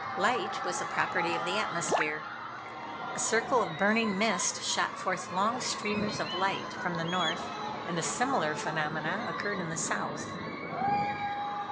Light was a property of the atmosphere. A circle of burning mist shot forth long streamers of light from the North, and a similar phenomena occurred in the South.